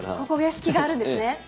ここでスキがあるんですね。